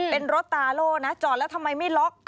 เป็นรถตาโล่นะจอดแล้วทำไมไม่ล็อก